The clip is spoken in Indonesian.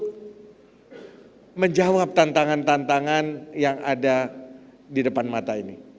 lalu bagaimana cara kita menjawab tantangan tantangan yang ada di depan mata ini